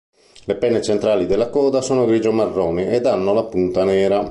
Le penne centrali della coda sono grigio marrone ed hanno la punta nera.